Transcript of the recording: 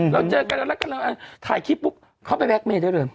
เราเจอกันเรารักกันถ่ายคลิปปุ๊บเข้าไปแบล็กเมจด้วยเลย